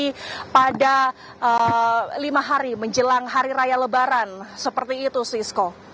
jadi pada lima hari menjelang hari raya lebaran seperti itu sisko